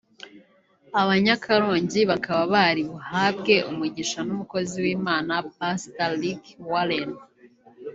abanyakarongi bakaba bari buhabwe umugisha n’umukozi w’Imana Pastor Rick Warren